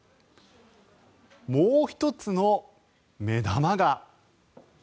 もう１つの目玉が。